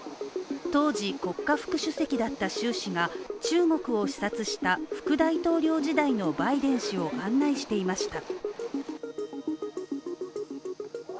当時、国家副主席だった習氏が中国を視察した副大統領時代のバイデン氏を案内していました。